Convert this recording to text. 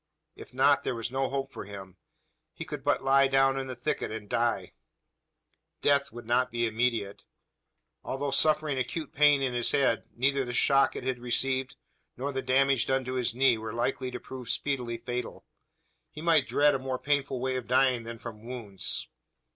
If not, there was no hope for him. He could but lie down in the thicket, and die! Death would not be immediate. Although suffering acute pain in his head, neither the shock it had received, nor the damage done to his knee, were like to prove speedily fatal. He might dread a more painful way of dying than from wounds.